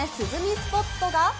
スポットが。